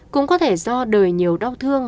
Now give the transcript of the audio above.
cũng có thể do đời nhiều đau thương